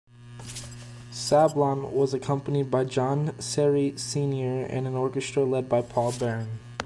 Sablon was accompanied by John Serry Senior and an orchestra led by Paul Baron.